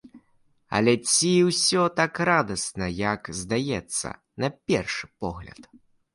Але ці ўсё так радасна, як здаецца на першы погляд?